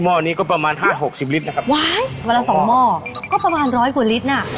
ม่อนี้ก็ประมาณ๕๖๐ลิตรนะครับว้ายประมาณ๒หม่อก็ประมาณ๑๐๐กว่าลิตรน่ะ